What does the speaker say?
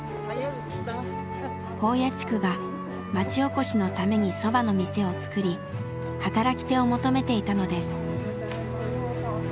宝谷地区が町おこしのためにそばの店を作り働き手を求めていたのです。